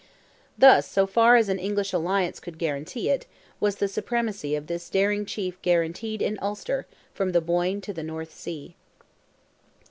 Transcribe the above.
Thus, so far as an English alliance could guarantee it, was the supremacy of this daring chief guaranteed in Ulster from the Boyne to the North Sea.